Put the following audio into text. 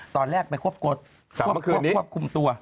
ตอนแรกไปควบคุมตัว